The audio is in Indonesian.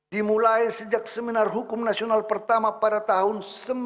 dimulai sejak seminar hukum nasional pertama pada tahun seribu sembilan ratus sembilan puluh